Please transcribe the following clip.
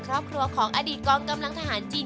ครอบครัวของอดีตกองกำลังทหารจีน